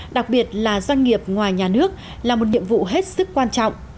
đặc biệt là doanh nghiệp ngoài nhà nước là một nhiệm vụ hết sức quan trọng